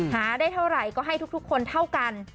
หาได้เท่าไหร่ก็ให้ทุกคนเท่ากัน